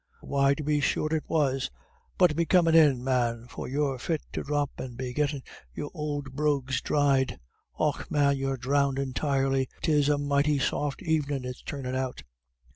"Why tub be sure it was. But be comin' in, man, for you're fit to dhrop, and be gettin' your ould brogues dhried. Och man, you're dhrownded entirely; 'tis a mighty soft evenin' it's turnin' out."